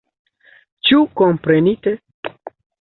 Ĉu komprenite?